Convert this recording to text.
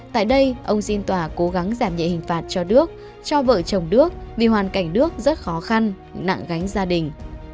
tại đây ông xin tòa cố gắng giảm nhẹ hình phạt cho đước cho vợ chồng đức vì hoàn cảnh nước rất khó khăn nặng gánh gia đình